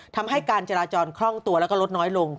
ทำให้การจราจรคล่องตัวแล้วก็ลดน้อยลง